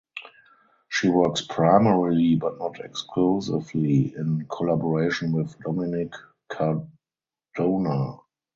She works primarily but not exclusively in collaboration with Dominique Cardona.